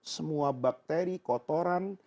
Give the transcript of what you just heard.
semua bakteri kotoran